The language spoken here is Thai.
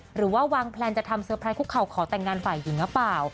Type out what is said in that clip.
หรือว่าวางแพลนจะทำเซอร์ไพรสคุกเขาขอแต่งงานฝ่ายหญิงหรือเปล่า